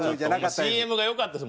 ＣＭがよかったです。